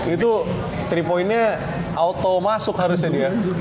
itu tiga pointnya auto masuk harusnya dia